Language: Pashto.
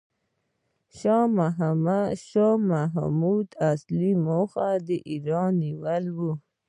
شاه محمود اصلي موخه د ایران نیول و.